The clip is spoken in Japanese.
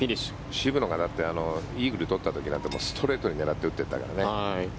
渋野がイーグルを取っていった時なんてストレートに狙って打っていったからね。